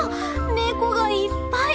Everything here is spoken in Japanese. ネコがいっぱい。